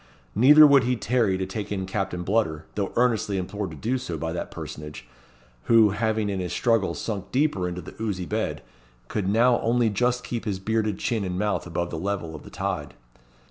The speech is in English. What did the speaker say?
Neither would he tarry to take in Captain Bludder, though earnestly implored to do so by that personage, who, having in his struggles sunk deeper into the oozy bed, could now only just keep his bearded chin and mouth above the level of the tide.